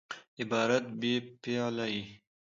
عبارت بې فعله يي.